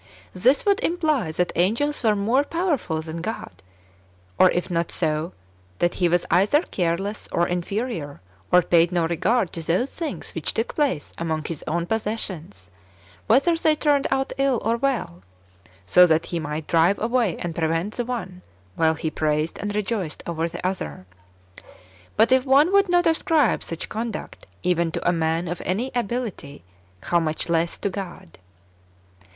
This would imply that angels were more powerful than God ; or if not so, that He was either careless, or inferior, or paid no regard to those things which took place among His own Book il] IRENjEJJS AGAINST HERESIES. 121 possessions, whether they turned out ill or well, so that Ke might drive away and prevent the one, while He praised and rejoiced over the other. But if one would not ascribe such conduct even to a man of any ability, how much less to God